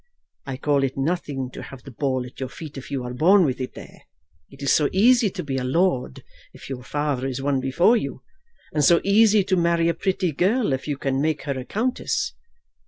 I call it nothing to have the ball at your feet if you are born with it there. It is so easy to be a lord if your father is one before you, and so easy to marry a pretty girl if you can make her a countess.